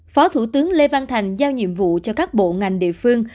phó thủ tướng lê văn thành giao nhiệm vụ cho các bộ ngành địa phương